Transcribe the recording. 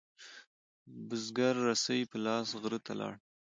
بزگر رسۍ په لاس غره ته لاړ.